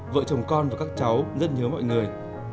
vợ chồng con và các cháu rất nhớ mọi người